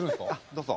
どうぞ。